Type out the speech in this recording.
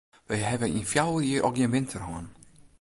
Wy hawwe yn fjouwer jier al gjin winter hân.